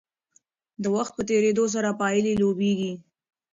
د وخت په تیریدو سره پایلې لویېږي.